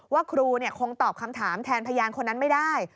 ว่าครูคงตอบคำถามแทนพยานคนนั้นไม่ได้